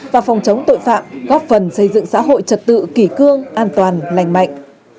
và phòng chống tội phạm góp phần xây dựng xã hội trật tự kỷ cương an toàn lành mạnh